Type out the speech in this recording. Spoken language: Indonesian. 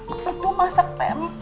kita tuh kalo masak serba kekurangan